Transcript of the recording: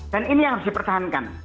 dan ini yang harus dipertahankan